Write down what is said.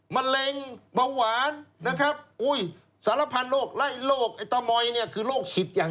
ไม่มีครับรับประกันได้ผมยืนยัน